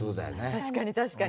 確かに確かに。